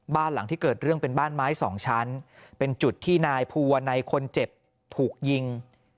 บ้านหลังที่เกิดเรื่องเป็นบ้านไม้สองชั้นเป็นจุดที่นายภูวนัยคนเจ็บถูกยิง